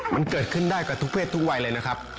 มันเกิดขึ้นได้กับทุกเพศทุกวัยเลยนะครับ